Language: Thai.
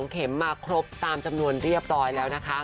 เข็มมาครบตามจำนวนเรียบร้อยแล้วนะคะ